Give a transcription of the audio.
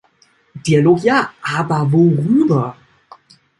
Dialog ja, aber worüber?